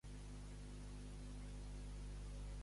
Per què se li glaçà la sang al senyor?